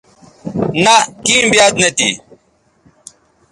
نہء کیں بیاد نہ تھی